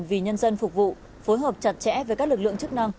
vì nhân dân phục vụ phối hợp chặt chẽ với các lực lượng chức năng